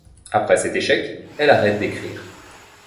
Après cet échec elle arrête d'écrire.